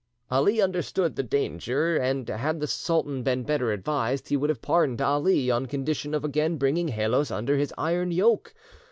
Ali understood the danger, and had the sultan been better advised, he would have pardoned Ali on condition of again bringing Hellos under his iron yoke.